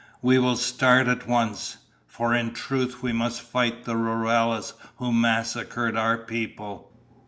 "We will start at once. For in truth we must fight the rurales who massacred our people."